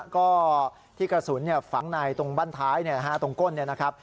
ก็ที่กระสุนฝังในตรงบ้านท้ายตรงก้นเนี่ยนะครับ